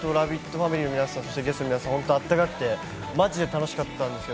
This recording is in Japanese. ファミリーの皆さん、ゲストの皆さん、あったかくてマジで楽しかったです。